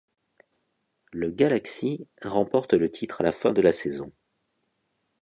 Le Galaxy remporte le titre à la fin de la saison.